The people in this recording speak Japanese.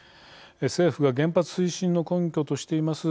政府が原発推進の根拠としています